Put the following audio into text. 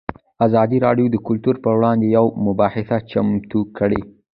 ازادي راډیو د کلتور پر وړاندې یوه مباحثه چمتو کړې.